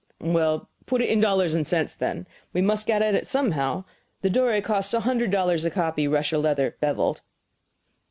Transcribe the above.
"Well, put it in dollars and cents, then. We must get at it somehow. The Dore costs a hundred dollars a copy, Russia leather, beveled."